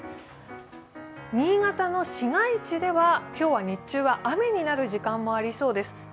新潟の市街地では、今日は日中は雨になる時間もありそうです。